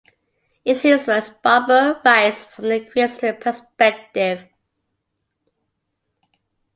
In his works, Barbour writes from a Christian perspective.